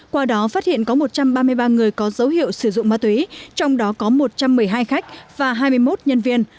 qua đó phát hiện có một trăm ba mươi ba người có dấu hiệu sử dụng ma túy trong đó có một trăm một mươi hai khách và hai mươi một nhân viên